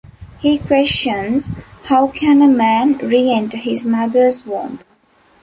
He questions: How can a man re-enter his mother's womb?